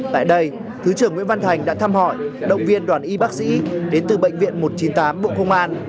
tại đây thứ trưởng nguyễn văn thành đã thăm hỏi động viên đoàn y bác sĩ đến từ bệnh viện một trăm chín mươi tám bộ công an